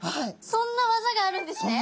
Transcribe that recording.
そんな技があるんですね。